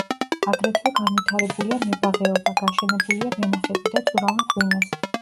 აგრეთვე განვითარებულია მებაღეობა, გაშენებულია ვენახები და წურავენ ღვინოს.